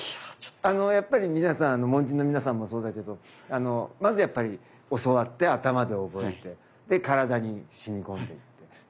やっぱり皆さん門人の皆さんもそうだけどまずやっぱり教わって頭で覚えてで体に染み込んでいって。